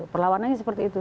perlawanannya seperti itu